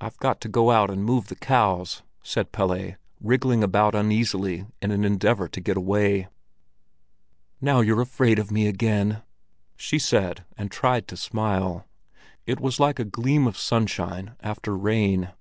"I've got to go out and move the cows," said Pelle, wriggling about uneasily in an endeavor to get away. "Now you're afraid of me again!" she said, and tried to smile. It was like a gleam of sunshine after rain.